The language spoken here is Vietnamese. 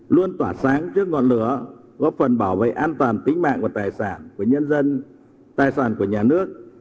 luôn tỏa sáng trước ngọn lửa góp phần bảo vệ an toàn tính mạng và tài sản của nhân dân tài sản của nhà nước